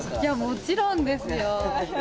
もちろんですよ。